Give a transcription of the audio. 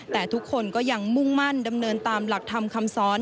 แต่ทุกคนก็ยังมุ่งมั่นดำเนินตามหลักธรรมคำสอน